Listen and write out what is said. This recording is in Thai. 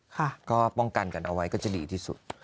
ก็ป้องกันกันเอาไว้ก็จะดีที่สุด